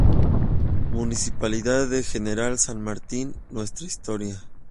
Municipalidad de General San Martín: "Nuestra Historia"